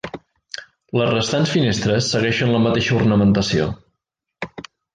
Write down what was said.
Les restants finestres segueixen la mateixa ornamentació.